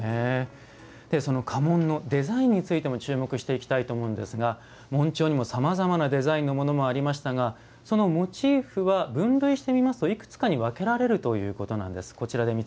家紋のデザインについても注目していきたいと思うんですが紋帳にも、さまざまなデザインのものありましたがそのモチーフは分類してみますといくつかに分けられるということなんです。